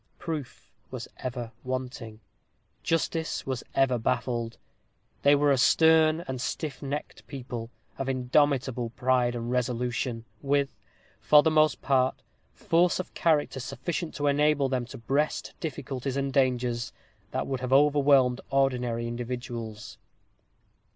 Proof was ever wanting; justice was ever baffled. They were a stern and stiff necked people, of indomitable pride and resolution, with, for the most part, force of character sufficient to enable them to breast difficulties and dangers that would have overwhelmed ordinary individuals.